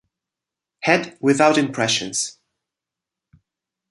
Head without impressions.